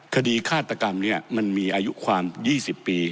คดีฆาตกรรมนี้มันมีอายุความ๒๐ปี